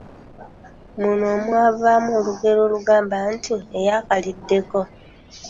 Muno mwavaamu olugero olugamba nti: Eyaakaliddeko,………